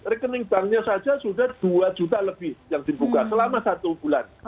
rekening banknya saja sudah dua juta lebih yang dibuka selama satu bulan